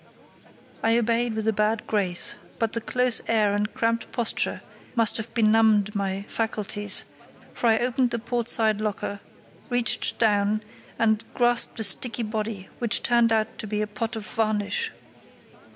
I obeyed with a bad grace, but the close air and cramped posture must have benumbed my faculties, for I opened the port side locker, reached down, and grasped a sticky body, which turned out to be a pot of varnish.